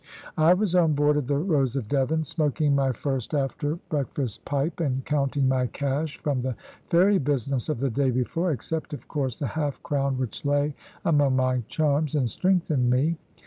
I was on board of the Rose of Devon, smoking my first after breakfast pipe, and counting my cash from the ferry business of the day before except, of course, the half crown which lay among my charms, and strengthened me.